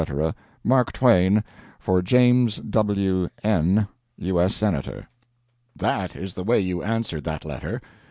Mark Twain, 'For James W. N , U. S. Senator.' "That is the way you answered that letter.